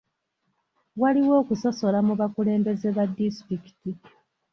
Waliwo okusosola mu bakulembeze ba disitulikiti.